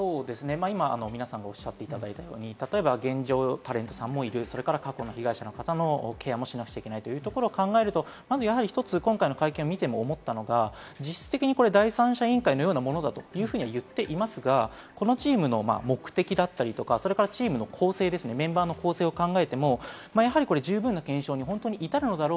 皆さんがおっしゃっていただいたように、現状、タレントさんもいる、それから過去の被害者の方のケアもしなくちゃいけないところを考えると、今回の会見を見ても思ったのが実質的に第三者委員会のようなものだと言っていますが、このチームの目的だったり、チームの構成、メンバーの構成を考えても十分な検証に至るのだろ